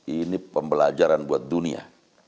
ini pembelajaran buat dunia